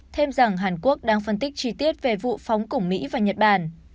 thêm rằng hàn quốc đang phân tích chi tiết về vụ phóng cùng mỹ và nhật bản